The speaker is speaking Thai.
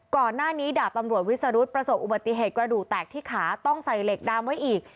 ก่อนหน้านี้ดาบตำรวจวิสรุธประสบอุบัติเหตุกระดูกแตกที่ขาต้องใส่เหล็กดามไว้อีก